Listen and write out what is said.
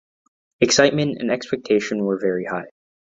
Excitement and expectation were very high.